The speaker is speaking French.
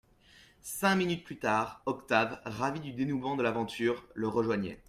Cinq minutes plus tard, Octave, ravi du dénouement de l'aventure, le rejoignait.